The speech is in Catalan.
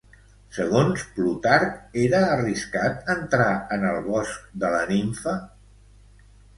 Segons Plutarc, era arriscat entrar en el bosc de la nimfa?